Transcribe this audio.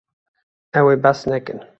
Ew ê behs nekin.